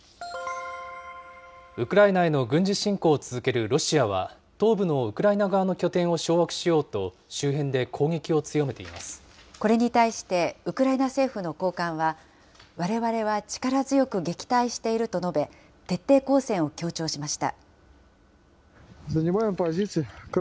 ウクライナへの軍事侵攻を続けるロシアは、東部のウクライナ側の拠点を掌握しようと、周辺で攻撃を強めていこれに対して、ウクライナ政府の高官は、われわれは力強く撃退していると述べ、徹底抗戦を強調しました。